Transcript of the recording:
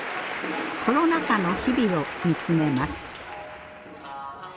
コロナ禍の日々を見つめます。